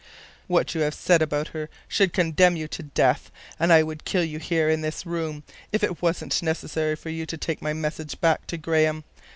"What you have said about her should condemn you to death. And I would kill you here, in this room, if it wasn't necessary for you to take my message back to Graham.